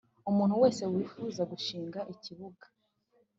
Umuntu wese wifuza gushinga ikibuga